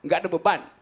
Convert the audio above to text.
gak ada beban